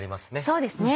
そうですね